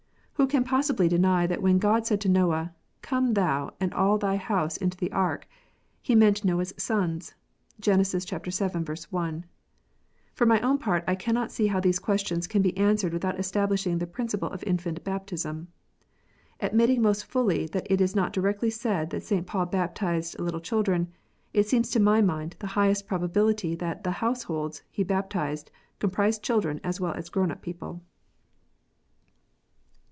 Who can possibly deny that when God said to Noah, " Come thou and all thy house into the ark," He meant Noah s sons? (Gen. vii. 1.) For my own part I cannot see how these questions can be answered without establishing the principle of infant baptism. Admitting most fully that it is not directly said that St. Paul baptized little children, it seems to my mind the highest probability that the "house holds" he baptized comprised children as well as grown up people.